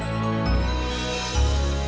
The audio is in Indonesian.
semoga kau semangat